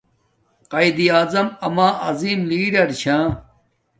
قایداعظم اما عظم لیڑر چھا